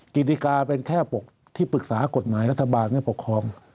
กิจดีการณ์เป็นแค่ปลกที่ปรึกษากฎหมายรัฐบาลก็ปกครอง